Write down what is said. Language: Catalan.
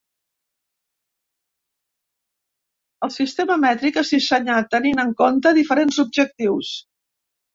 El sistema mètric es dissenyà tenint en compte diferents objectius.